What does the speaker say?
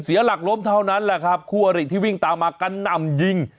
หลักล้มเท่านั้นแหละครับคู่อริที่วิ่งตามมากระหน่ำยิง